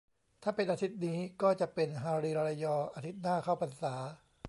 ถ้าเป็นอาทิตย์นี้ก็จะเป็น ฮารีรายอ อาทิตย์หน้าเข้าพรรษา